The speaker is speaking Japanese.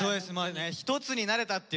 一つになれたっていうね